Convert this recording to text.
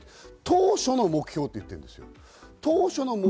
当初の目標と言っているんですよ。